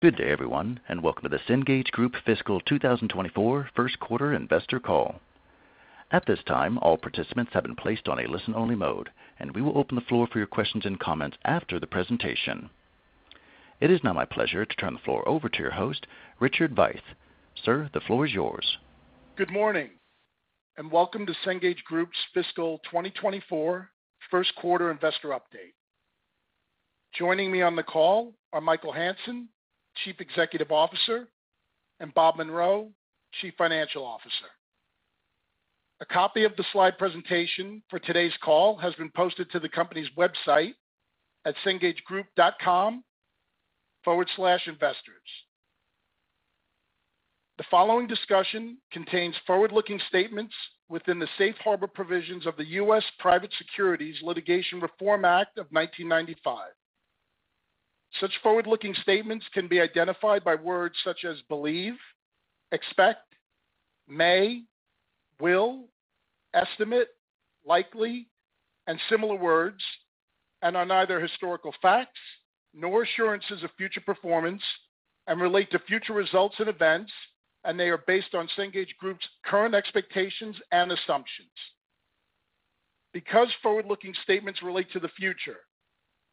Good day, everyone, and welcome to the Cengage Group fiscal 2024 first quarter investor call. At this time, all participants have been placed on a listen-only mode, and we will open the floor for your questions and comments after the presentation. It is now my pleasure to turn the floor over to your host, Richard Veith. Sir, the floor is yours. Good morning, and welcome to Cengage Group's fiscal 2024 first quarter investor update. Joining me on the call are Michael Hansen, Chief Executive Officer, and Bob Munro, Chief Financial Officer. A copy of the slide presentation for today's call has been posted to the company's website at cengagegroup.com/investors. The following discussion contains forward-looking statements within the safe harbor provisions of the U.S. Private Securities Litigation Reform Act of 1995. Such forward-looking statements can be identified by words such as believe, expect, may, will, estimate, likely, and similar words, and are neither historical facts nor assurances of future performance and relate to future results and events, and they are based on Cengage Group's current expectations and assumptions. Because forward-looking statements relate to the future,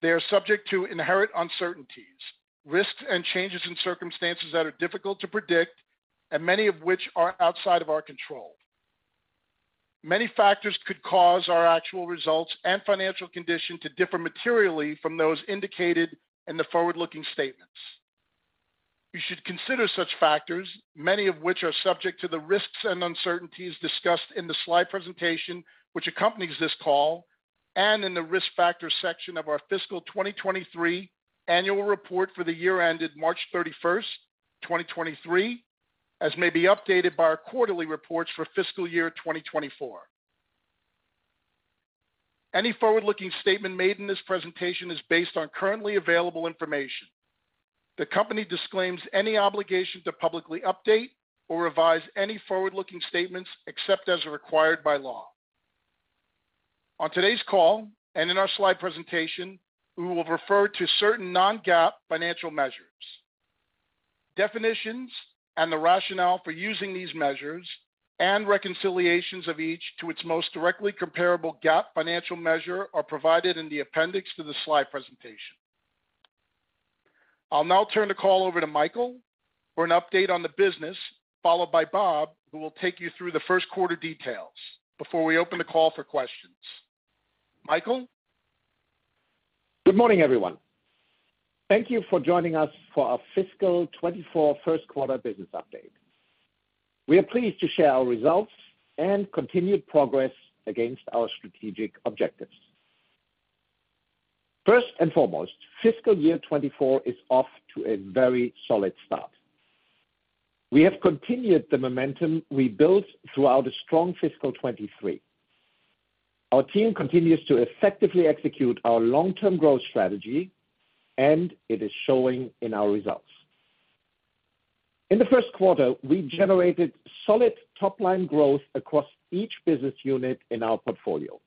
they are subject to inherent uncertainties, risks, and changes in circumstances that are difficult to predict, and many of which are outside of our control. Many factors could cause our actual results and financial condition to differ materially from those indicated in the forward-looking statements. You should consider such factors, many of which are subject to the risks and uncertainties discussed in the slide presentation which accompanies this call, and in the Risk Factors section of our fiscal 2023 annual report for the year ended March 31st, 2023, as may be updated by our quarterly reports for fiscal year 2024. Any forward-looking statement made in this presentation is based on currently available information. The company disclaims any obligation to publicly update or revise any forward-looking statements, except as required by law. On today's call and in our slide presentation, we will refer to certain non-GAAP financial measures. Definitions and the rationale for using these measures and reconciliations of each to its most directly comparable GAAP financial measure are provided in the appendix to the slide presentation. I'll now turn the call over to Michael for an update on the business, followed by Bob, who will take you through the first quarter details before we open the call for questions. Michael? Good morning, everyone. Thank you for joining us for our fiscal 2024 first quarter business update. We are pleased to share our results and continued progress against our strategic objectives. First and foremost, fiscal year 2024 is off to a very solid start. We have continued the momentum we built throughout a strong fiscal 2023. Our team continues to effectively execute our long-term growth strategy, and it is showing in our results. In the first quarter, we generated solid top-line growth across each business unit in our portfolio.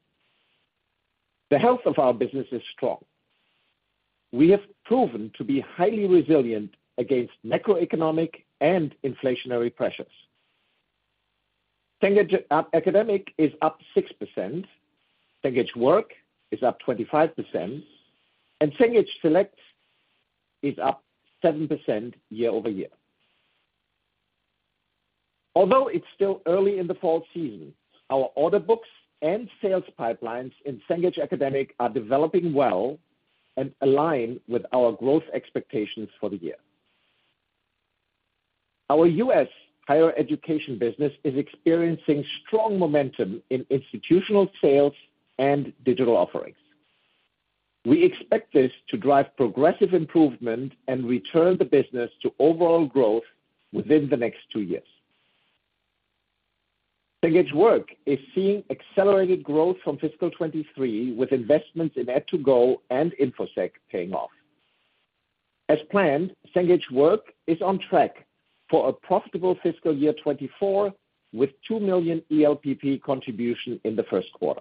The health of our business is strong. We have proven to be highly resilient against macroeconomic and inflationary pressures. Cengage Academic is up 6%, Cengage Work is up 25%, and Cengage Select is up 7% year-over-year. Although it's still early in the fall season, our order books and sales pipelines in Cengage Academic are developing well and align with our growth expectations for the year. Our U.S. Higher Education business is experiencing strong momentum in institutional sales and digital offerings. We expect this to drive progressive improvement and return the business to overall growth within the next two years. Cengage Work is seeing accelerated growth from fiscal 2023, with investments in Ed2Go and Infosec paying off. As planned, Cengage Work is on track for a profitable fiscal year 2024, with $2 million ELPP contribution in the first quarter.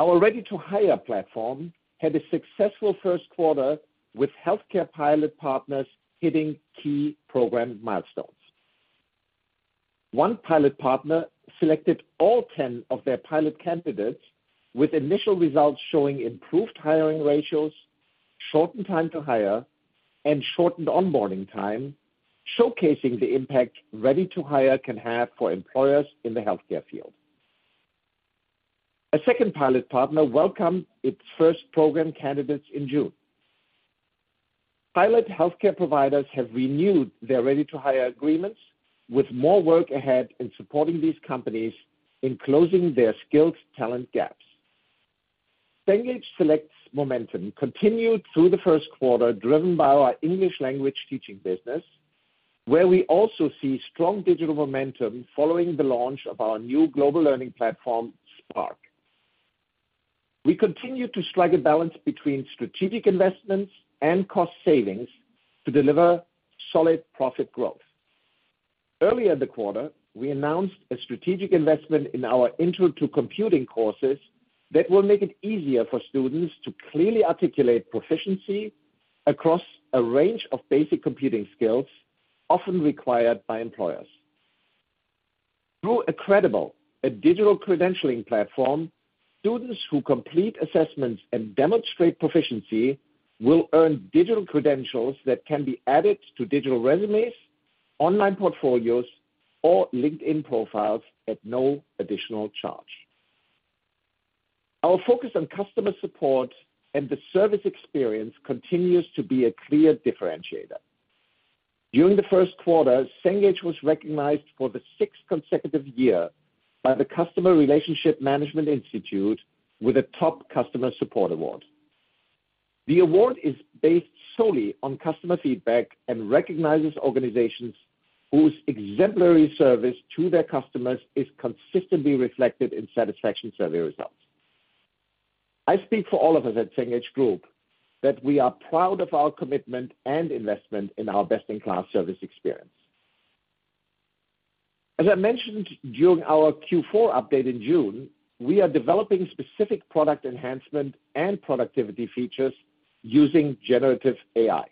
Our Ready to Hire platform had a successful first quarter, with healthcare pilot partners hitting key program milestones. One pilot partner selected all 10 of their pilot candidates, with initial results showing improved hiring ratios, shortened time to hire, and shortened onboarding time, showcasing the impact Ready to Hire can have for employers in the healthcare field. A second pilot partner welcomed its first program candidates in June. Pilot healthcare providers have renewed their Ready to Hire agreements, with more work ahead in supporting these companies in closing their skilled talent gaps. Cengage Select's momentum continued through the first quarter, driven by our English language teaching business, where we also see strong digital momentum following the launch of our new global learning platform, Spark. We continue to strike a balance between strategic investments and cost savings to deliver solid profit growth.... Earlier in the quarter, we announced a strategic investment in our intro to computing courses that will make it easier for students to clearly articulate proficiency across a range of basic computing skills, often required by employers. Through Accredible, a digital credentialing platform, students who complete assessments and demonstrate proficiency will earn digital credentials that can be added to digital resumes, online portfolios, or LinkedIn profiles at no additional charge. Our focus on customer support and the service experience continues to be a clear differentiator. During the first quarter, Cengage was recognized for the sixth consecutive year by the Customer Relationship Management Institute with a Top Customer Support Award. The award is based solely on customer feedback and recognizes organizations whose exemplary service to their customers is consistently reflected in satisfaction survey results. I speak for all of us at Cengage Group, that we are proud of our commitment and investment in our best-in-class service experience. As I mentioned during our Q4 update in June, we are developing specific product enhancement and productivity features using generative AI.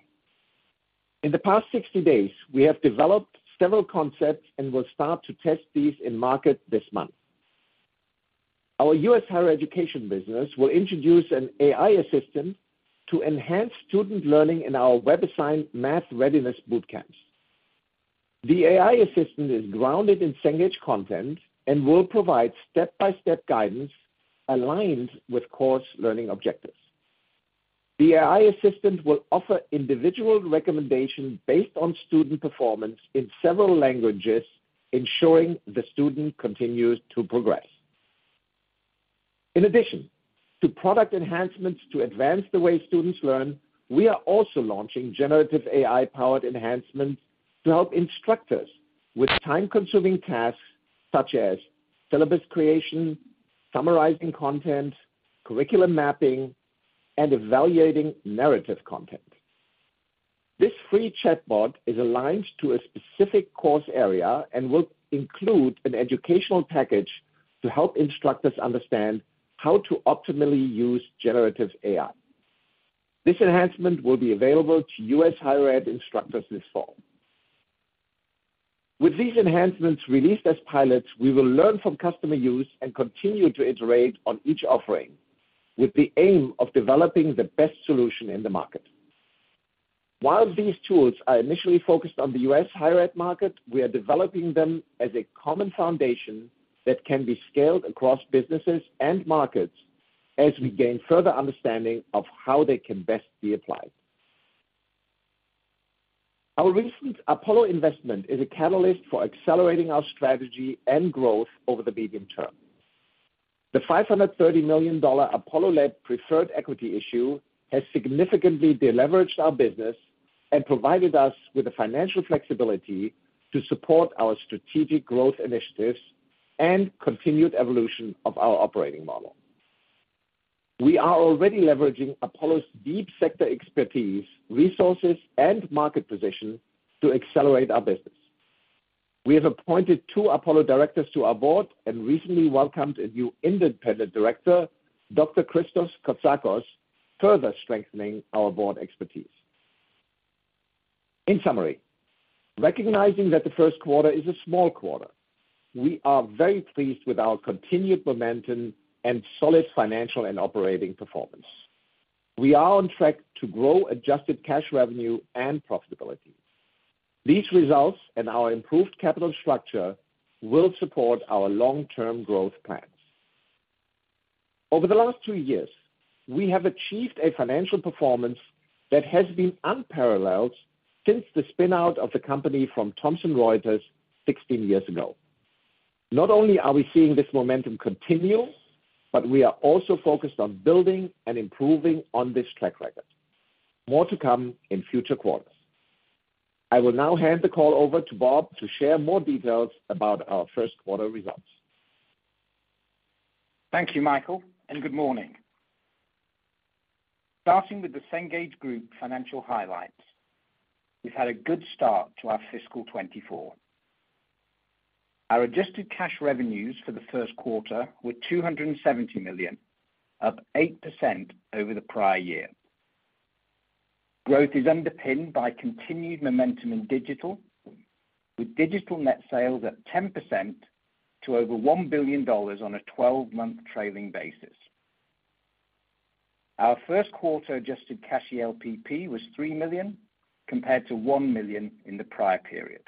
In the past 60 days, we have developed several concepts and will start to test these in market this month. Our U.S. Higher Education business will introduce an AI assistant to enhance student learning in our WebAssign math readiness boot camps. The AI assistant is grounded in Cengage content and will provide step-by-step guidance aligned with course learning objectives. The AI assistant will offer individual recommendation based on student performance in several languages, ensuring the student continues to progress. In addition to product enhancements to advance the way students learn, we are also launching generative AI-powered enhancements to help instructors with time-consuming tasks such as syllabus creation, summarizing content, curriculum mapping, and evaluating narrative content. This free chatbot is aligned to a specific course area and will include an educational package to help instructors understand how to optimally use generative AI. This enhancement will be available to U.S. Higher Ed instructors this fall. With these enhancements released as pilots, we will learn from customer use and continue to iterate on each offering, with the aim of developing the best solution in the market. While these tools are initially focused on the U.S. Higher Ed market, we are developing them as a common foundation that can be scaled across businesses and markets as we gain further understanding of how they can best be applied. Our recent Apollo investment is a catalyst for accelerating our strategy and growth over the medium term. The $530 million Apollo-led preferred equity issue has significantly deleveraged our business and provided us with the financial flexibility to support our strategic growth initiatives and continued evolution of our operating model. We are already leveraging Apollo's deep sector expertise, resources, and market position to accelerate our business. We have appointed two Apollo directors to our board and recently welcomed a new independent director, Dr. Christos Cotsakos, further strengthening our board expertise. In summary, recognizing that the first quarter is a small quarter, we are very pleased with our continued momentum and solid financial and operating performance. We are on track to grow Adjusted Cash Revenue and profitability. These results and our improved capital structure will support our long-term growth plans. Over the last two years, we have achieved a financial performance that has been unparalleled since the spin-out of the company from Thomson Reuters 16 years ago. Not only are we seeing this momentum continue, but we are also focused on building and improving on this track record. More to come in future quarters. I will now hand the call over to Bob to share more details about our first quarter results. Thank you, Michael. Good morning. Starting with the Cengage Group financial highlights, we've had a good start to our fiscal 2024. Our Adjusted Cash Revenue for the first quarter were $270 million, up 8% over the prior year. Growth is underpinned by continued momentum in digital, with Digital Net Sales at 10% to over $1 billion on a 12-month trailing basis. Our first quarter Adjusted Cash LPP was $3 million, compared to $1 million in the prior period.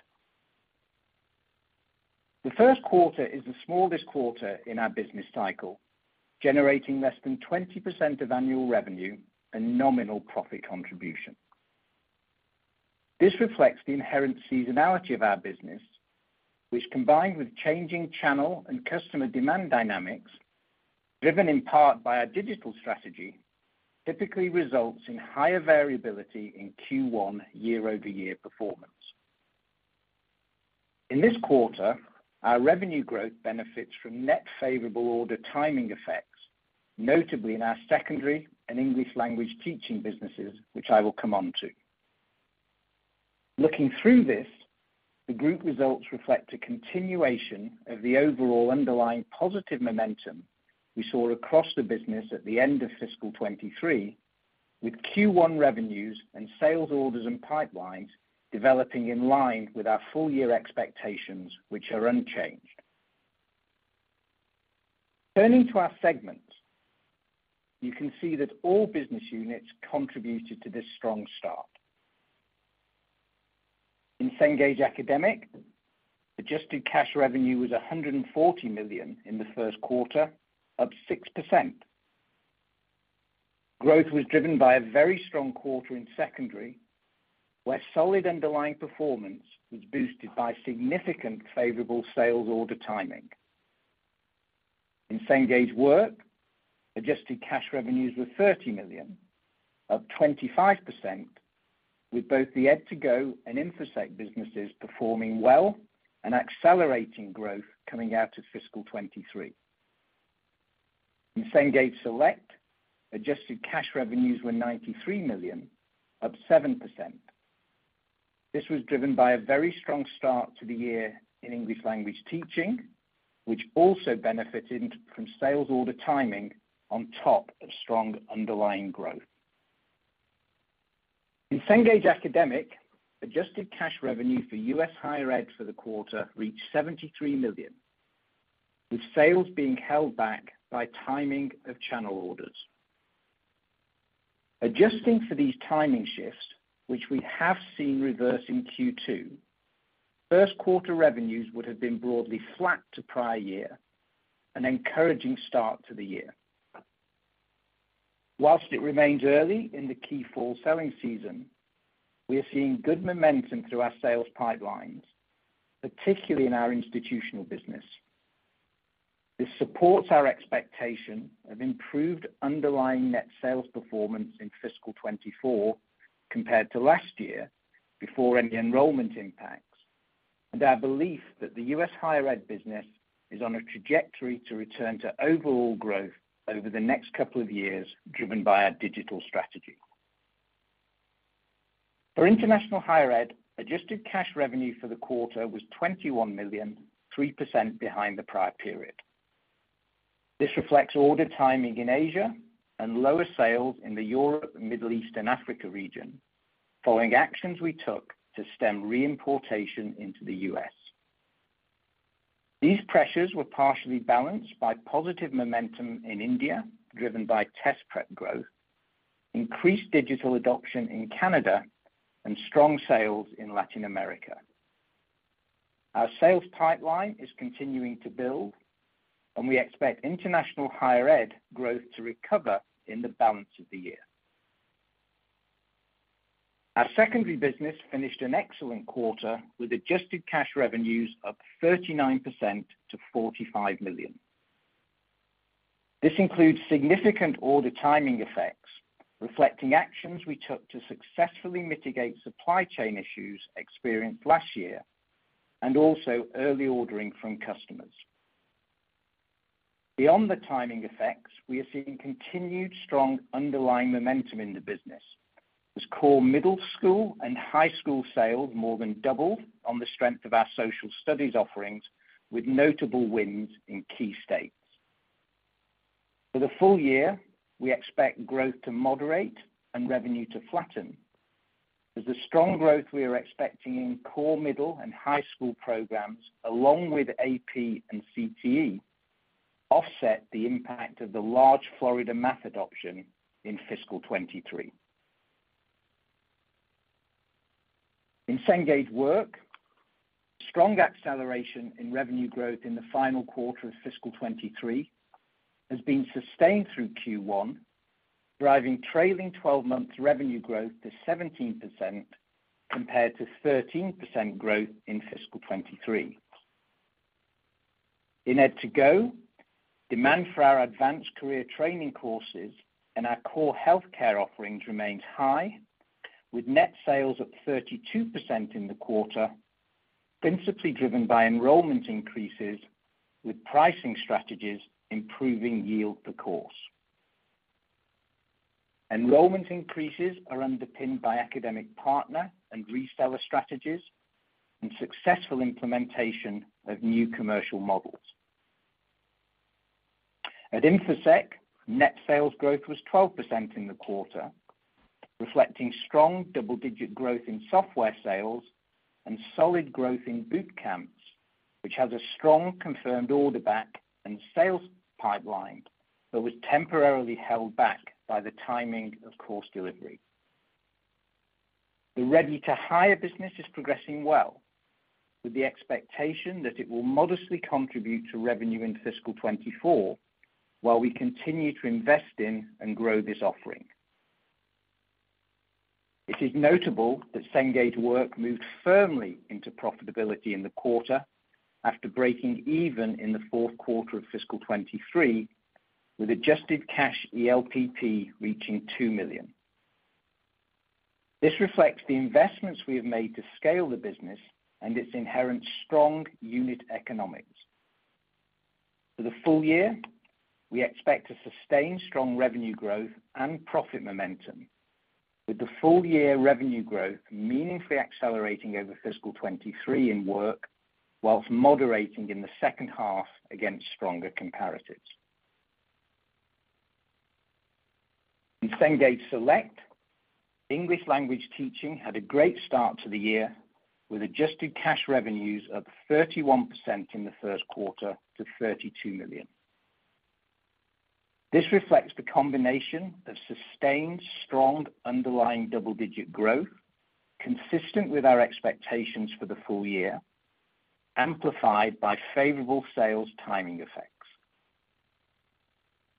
The first quarter is the smallest quarter in our business cycle, generating less than 20% of annual revenue and nominal profit contribution. This reflects the inherent seasonality of our business, which, combined with changing channel and customer demand dynamics, driven in part by our digital strategy, typically results in higher variability in Q1 year-over-year performance. In this quarter, our revenue growth benefits from net favorable order timing effects, notably in our secondary and English language teaching businesses, which I will come on to. Looking through this, the group results reflect a continuation of the overall underlying positive momentum we saw across the business at the end of fiscal 2023, with Q1 revenues and sales orders, and pipelines developing in line with our full year expectations, which are unchanged. Turning to our segments, you can see that all business units contributed to this strong start. In Cengage Academic, Adjusted Cash Revenue was $140 million in the first quarter, up 6%. Growth was driven by a very strong quarter in secondary, where solid underlying performance was boosted by significant favorable sales order timing. In Cengage Work, Adjusted Cash Revenue were $30 million, up 25%, with both the Ed2Go and Infosec businesses performing well and accelerating growth coming out of fiscal 2023. In Cengage Select, Adjusted Cash Revenue were $93 million, up 7%. This was driven by a very strong start to the year in English language teaching, which also benefited from sales order timing on top of strong underlying growth. In Cengage Academic, Adjusted Cash Revenue for U.S. Higher Education for the quarter reached $73 million, with sales being held back by timing of channel orders. Adjusting for these timing shifts, which we have seen reverse in Q2, first quarter revenues would have been broadly flat to prior year, an encouraging start to the year. While it remains early in the key fall selling season, we are seeing good momentum through our sales pipelines, particularly in our institutional business. This supports our expectation of improved underlying net sales performance in fiscal 2024 compared to last year, before any enrollment impacts, and our belief that the U.S. Higher Education business is on a trajectory to return to overall growth over the next couple of years, driven by our digital strategy. For International Higher Ed, Adjusted Cash Revenue for the quarter was $21 million, 3% behind the prior period. This reflects order timing in Asia and lower sales in the Europe, Middle East, and Africa region, following actions we took to stem reimportation into the U.S. These pressures were partially balanced by positive momentum in India, driven by test prep growth, increased digital adoption in Canada, and strong sales in Latin America. Our sales pipeline is continuing to build, and we expect International Higher Ed growth to recover in the balance of the year. Our secondary business finished an excellent quarter with Adjusted Cash Revenue up 39% to $45 million. This includes significant order timing effects, reflecting actions we took to successfully mitigate supply chain issues experienced last year, and also early ordering from customers. Beyond the timing effects, we are seeing continued strong underlying momentum in the business, as core middle school and high school sales more than doubled on the strength of our social studies offerings, with notable wins in key states. For the full year, we expect growth to moderate and revenue to flatten. As the strong growth we are expecting in core middle and high school programs, along with AP and CTE, offset the impact of the large Florida math adoption in fiscal 2023. In Cengage Work, strong acceleration in revenue growth in the final quarter of fiscal 2023 has been sustained through Q1, driving trailing twelve-month revenue growth to 17% compared to 13% growth in fiscal 2023. In Ed2Go, demand for our advanced career training courses and our core healthcare offerings remains high, with net sales up 32% in the quarter, principally driven by enrollment increases, with pricing strategies improving yield per course. Enrollment increases are underpinned by academic partner and reseller strategies and successful implementation of new commercial models. At Infosec, net sales growth was 12% in the quarter, reflecting strong double-digit growth in software sales and solid growth in boot camps, which has a strong confirmed order back and sales pipeline, but was temporarily held back by the timing of course delivery. The Ready to Hire business is progressing well, with the expectation that it will modestly contribute to revenue in fiscal 2024, while we continue to invest in and grow this offering. It is notable that Cengage Work moved firmly into profitability in the quarter after breaking even in the fourth quarter of fiscal 2023, with Adjusted Cash ELPP reaching $2 million. This reflects the investments we have made to scale the business and its inherent strong unit economics. For the full year, we expect to sustain strong revenue growth and profit momentum, with the full year revenue growth meaningfully accelerating over fiscal 2023 in work, whilst moderating in the second half against stronger comparatives. In Cengage Select, English language teaching had a great start to the year, with Adjusted Cash Revenue of 31% in the first quarter to $32 million. This reflects the combination of sustained, strong, underlying double-digit growth, consistent with our expectations for the full year, amplified by favorable sales timing effects.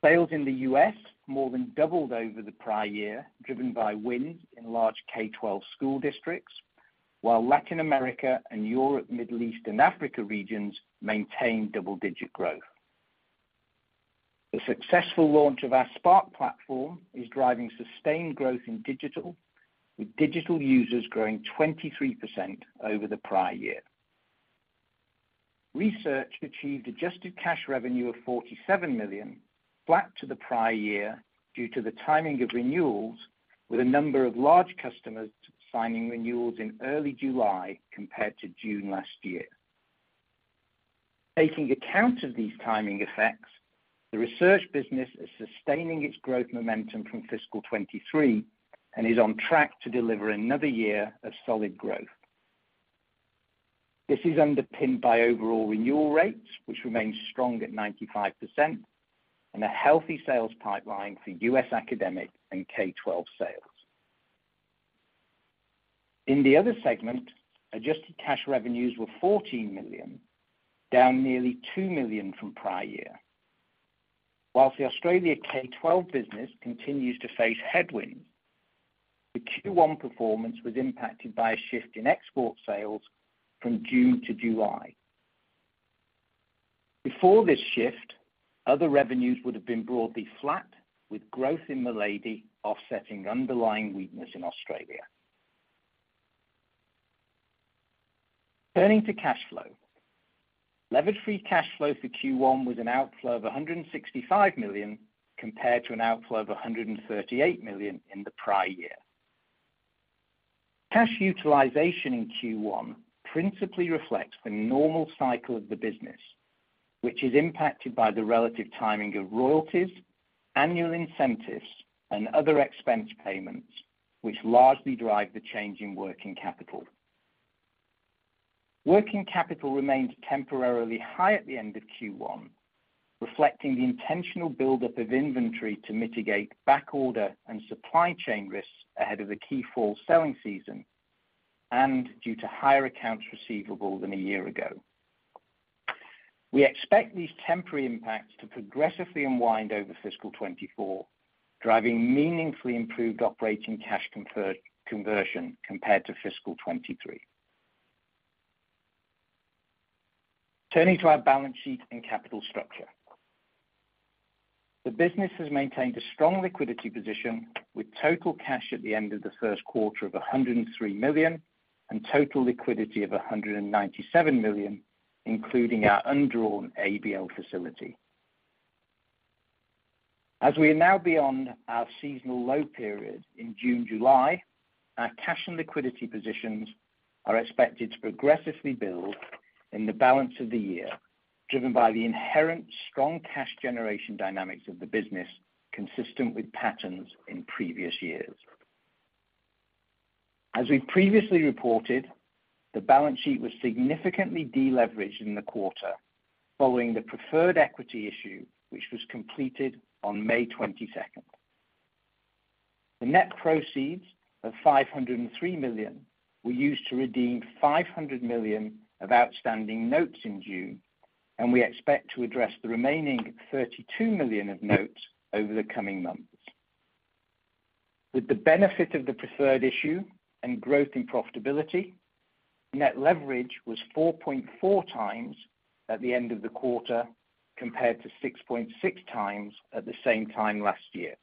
Sales in the U.S. more than doubled over the prior year, driven by wins in large K-12 school districts, while Latin America and Europe, Middle East, and Africa regions maintained double-digit growth. The successful launch of our Spark platform is driving sustained growth in digital, with digital users growing 23% over the prior year. Research achieved Adjusted Cash Revenue of $47 million, flat to the prior year, due to the timing of renewals, with a number of large customers signing renewals in early July compared to June last year. Taking account of these timing effects, the research business is sustaining its growth momentum from fiscal 2023 and is on track to deliver another year of solid growth. This is underpinned by overall renewal rates, which remain strong at 95%, and a healthy sales pipeline for U.S. Academic and K-12 sales. In the other segment, Adjusted Cash Revenue were $14 million, down nearly $2 million from prior year. Whilst the Australia K-12 business continues to face headwinds, the Q1 performance was impacted by a shift in export sales from June to July. Before this shift, other revenues would have been broadly flat, with growth in Milady offsetting underlying weakness in Australia. Turning to cash flow. Leveraged Free Cash Flow for Q1 was an outflow of $165 million, compared to an outflow of $138 million in the prior year. Cash utilization in Q1 principally reflects the normal cycle of the business, which is impacted by the relative timing of royalties, annual incentives, and other expense payments, which largely drive the change in working capital. Working capital remained temporarily high at the end of Q1, reflecting the intentional buildup of inventory to mitigate backorder and supply chain risks ahead of the key fall selling season, and due to higher accounts receivable than a year ago. We expect these temporary impacts to progressively unwind over fiscal 2024, driving meaningfully improved operating cash conversion compared to fiscal 2023. Turning to our balance sheet and capital structure. The business has maintained a strong liquidity position, with total cash at the end of the first quarter of $103 million, and total liquidity of $197 million, including our undrawn ABL facility. As we are now beyond our seasonal low period in June, July, our cash and liquidity positions are expected to progressively build in the balance of the year, driven by the inherent strong cash generation dynamics of the business, consistent with patterns in previous years. As we've previously reported, the balance sheet was significantly deleveraged in the quarter, following the preferred equity issue, which was completed on May 22nd. The net proceeds of $503 million were used to redeem $500 million of outstanding notes in June, and we expect to address the remaining $32 million of notes over the coming months. With the benefit of the preferred issue and growth in profitability, net leverage was 4.4x at the end of the quarter, compared to 6.6x at the same time last year.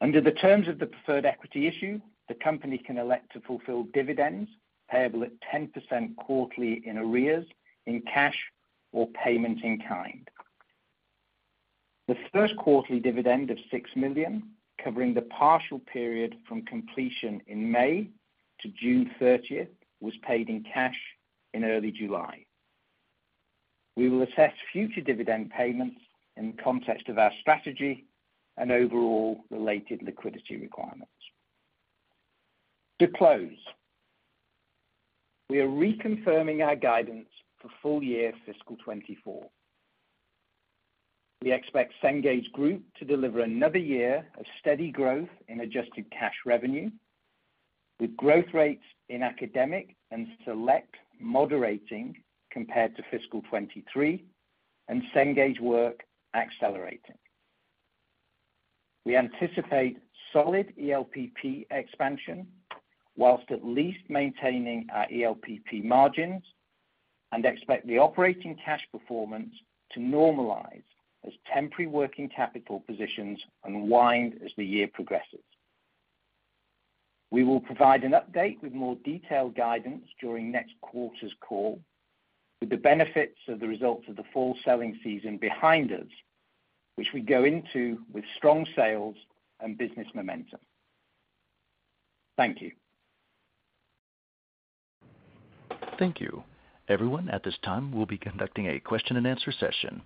Under the terms of the preferred equity issue, the company can elect to fulfill dividends payable at 10% quarterly in arrears, in cash or Payment in Kind. The first quarterly dividend of $6 million, covering the partial period from completion in May to June 30th, was paid in cash in early July. We will assess future dividend payments in the context of our strategy and overall related liquidity requirements. To close, we are reconfirming our guidance for full year fiscal 2024. We expect Cengage Group to deliver another year of steady growth in Adjusted Cash Revenue, with growth rates in Academic and Select moderating compared to fiscal 2023, and Cengage Work accelerating. We anticipate solid ELPP expansion, while at least maintaining our ELPP margins. Expect the operating cash performance to normalize as temporary working capital positions unwind as the year progresses. We will provide an update with more detailed guidance during next quarter's call, with the benefits of the results of the fall selling season behind us, which we go into with strong sales and business momentum. Thank you. Thank you. Everyone, at this time, we'll be conducting a question-and-answer session.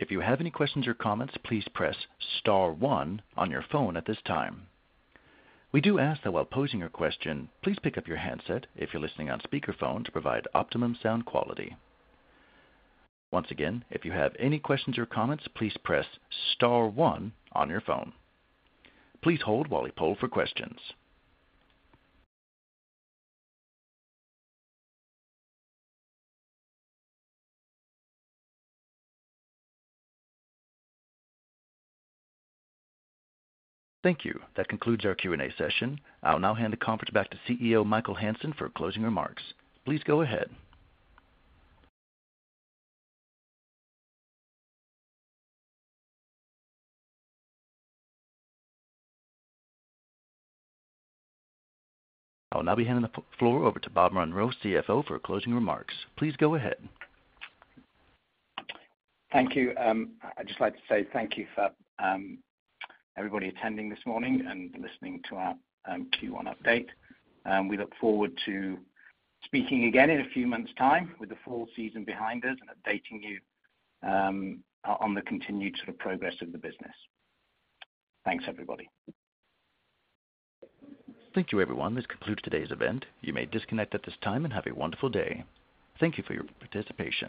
If you have any questions or comments, please press star one on your phone at this time. We do ask that while posing your question, please pick up your handset if you're listening on speakerphone to provide optimum sound quality. Once again, if you have any questions or comments, please press star one on your phone. Please hold while we poll for questions. Thank you. That concludes our Q&A session. I'll now hand the conference back to CEO Michael Hansen for closing remarks. Please go ahead. I'll now be handing the floor over to Bob Munro, CFO, for closing remarks. Please go ahead. Thank you. I'd just like to say thank you for everybody attending this morning and listening to our Q1 update. We look forward to speaking again in a few months' time with the fall season behind us and updating you on, on the continued sort of progress of the business. Thanks, everybody. Thank you, everyone. This concludes today's event. You may disconnect at this time and have a wonderful day. Thank you for your participation.